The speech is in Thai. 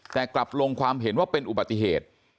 แต่กลับลงความเห็นว่าเป็นอุบัติเหตุ